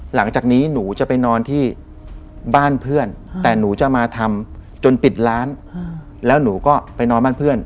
หลังจากนี้หนูจะไปนอนที่บ้านเพื่อนแต่หนูจะมาทำจนปิดร้านแล้วหนูก็ไปนอนบ้านเพื่อน